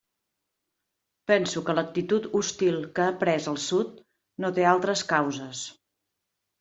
Penso que l'actitud hostil que ha pres el Sud no té altres causes.